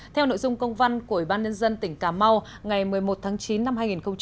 theo nội dung công văn của ủy ban nhân dân tỉnh cà mau ngày một mươi một tháng chín năm hai nghìn một mươi chín